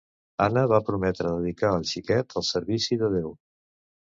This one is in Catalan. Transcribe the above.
Anna va prometre dedicar el xiquet al servici de Déu.